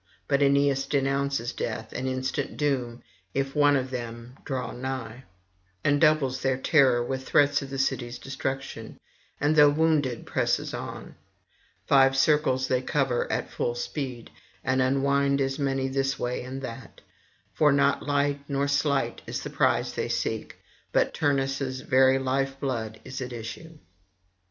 But Aeneas denounces death and instant doom if one of them draw nigh, and doubles their terror with threats of their city's destruction, and though wounded presses on. Five circles they cover at full speed, and unwind as many this way and that; for not light nor slight is the prize they seek, but Turnus' very lifeblood is at issue.